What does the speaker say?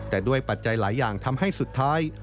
แต่ด้วยปัจจัยหลายอย่างทำให้สุดท้าย